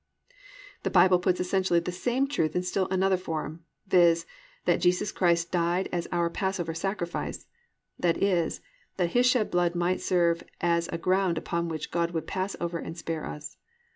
6. The Bible puts essentially the same truth in still another form, viz., that _Jesus Christ died as our Passover sacrifice—that is, that His shed blood might serve as a ground upon which God would pass over and spare us_.